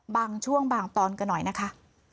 บางช่วงบางตอนกันหน่อยนะคะ